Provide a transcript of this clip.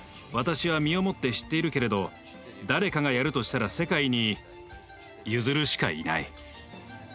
私は身をもって知っているけれど誰かがやるとしたら世界にユヅルしかいない。